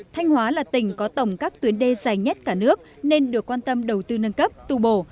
thanh hóa là tỉnh có tổng các tuyến đê dài nhất cả nước nên được quan tâm đầu tư nâng cấp tu bổ